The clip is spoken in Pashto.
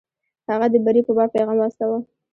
هغه د بري په باب پیغام واستاوه.